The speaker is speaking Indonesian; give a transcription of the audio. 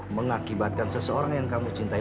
mengakibatkan seseorang yang kamu cintai